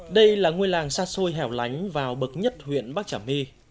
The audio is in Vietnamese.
đây là ngôi làng xa xôi hẻo lánh vào bậc nhất huyện bắc trà my